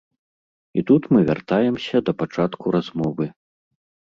І тут мы вяртаемся да пачатку размовы.